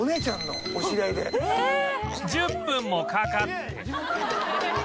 １０分もかかって